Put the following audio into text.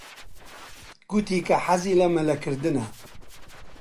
گوتی کە حەزی لە مەلەکردنە.